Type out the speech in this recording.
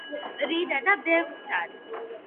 რიდა და ბევრსაც